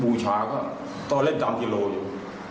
บูชาก็ต้องเล่น๓กิโลเมตรอยู่